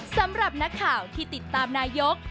สำหรับนักข่าวที่ติดตามนายก